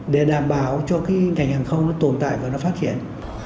để đảm bảo cho cái ngành hàng không nó tồn tại và nó phát triển